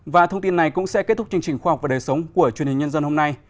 và thông tin này cũng sẽ kết thúc chương trình khoa học và đời sống của truyền hình nhân dân hôm nay